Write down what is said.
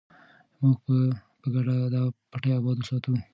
موږ به په ګډه دا پټی اباد وساتو.